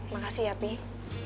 makasih ya pi